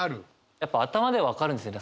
やっぱ頭で分かるんですよね。